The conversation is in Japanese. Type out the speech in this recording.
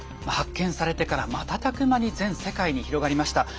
発見されてから瞬く間に全世界に広がりました。